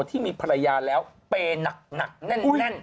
ที่มีภรรยาแล้วเปย์หนักแน่น